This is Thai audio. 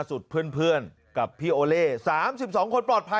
คือแบบในหมู่บ้านนี้